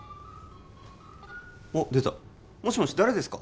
あッ出たもしもし誰ですか？